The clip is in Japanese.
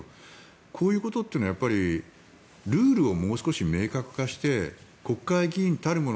こういうことはルールをもう少し明確化して国会議員たるもの